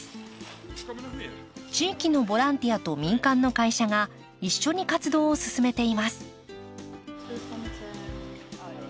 地域のボランティアと民間の会社が一緒に活動を進めています。